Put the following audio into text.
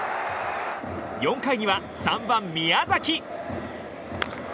４回には３番、宮崎。